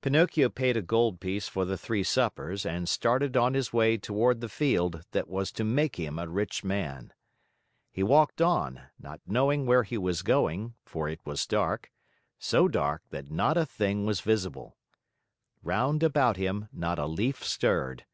Pinocchio paid a gold piece for the three suppers and started on his way toward the field that was to make him a rich man. He walked on, not knowing where he was going, for it was dark, so dark that not a thing was visible. Round about him, not a leaf stirred.